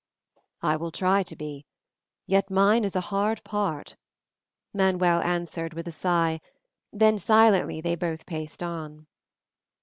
"I will try to be, yet mine is a hard part," Manuel answered with a sigh, then silently they both paced on.